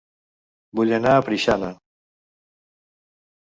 Vull anar a Preixana